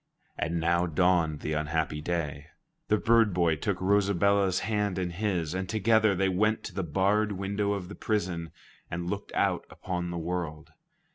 And now dawned the unhappy day. The bird boy took Rosabella's hand in his, and together they went to the barred window of the prison and looked out upon the world.